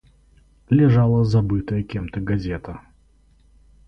Лежала забытая кем-то газета.